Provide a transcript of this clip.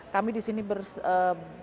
kami di sini bersama